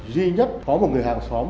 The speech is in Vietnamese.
duy nhất có một người hàng xóm